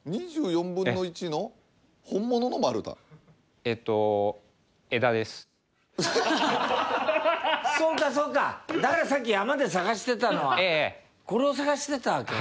２４分の１の本物の丸太？えっとそうかそうかだからさっき山で探してたのはこれを探してたわけ？